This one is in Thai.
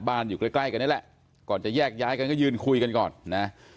อยู่ใกล้ใกล้กันนี่แหละก่อนจะแยกย้ายกันก็ยืนคุยกันก่อนนะ